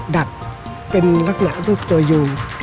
ดัดเป็นลักษณะรูปตัวยู